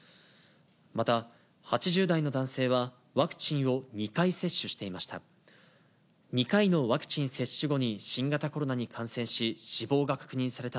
また、８０代の男性はワクチンを２回接種していました。